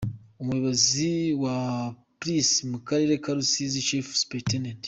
Umuyobozi wa Plisi mu karere ka Rusizi, Chief Supt.